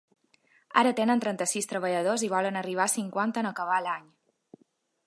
Ara tenen trenta-sis treballadors i volen arribar a cinquanta en acabar l’any.